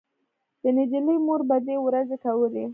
د نجلۍ مور بدې ورځې کولې